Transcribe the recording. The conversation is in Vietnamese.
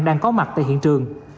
đang có mặt tại hiện trường